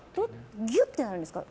ぎゅってなるんですか？